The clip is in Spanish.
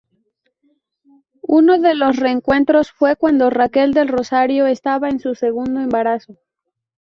Uno de los reencuentros fue cuando Raquel del Rosario estaba en su segundo embarazo.